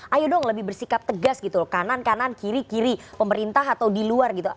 ayo dong lebih bersikap tegas gitu loh kanan kanan kiri kiri pemerintah atau di luar gitu